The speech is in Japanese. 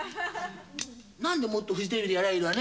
何でもっとフジテレビでやりゃいいわね。